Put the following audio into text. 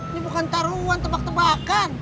ini bukan taruhan tebak tebakan